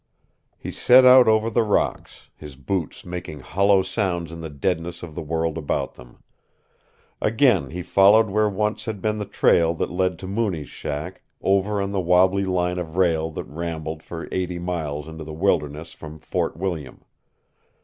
He set out over the rocks, his boots making hollow sounds in the deadness of the world about them. Again he followed where once had been the trail that led to Mooney's shack, over on the wobbly line of rail that rambled for eighty miles into the wilderness from Fort William.